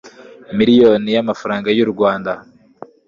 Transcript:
miliyoni y amafaranga y u Rwanda